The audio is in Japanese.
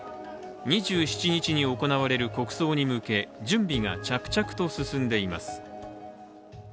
２７日に行われる国葬に向け準備が着々と進んでいます。